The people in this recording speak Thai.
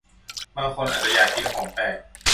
บางคนอาจจะอยากกินของแปลก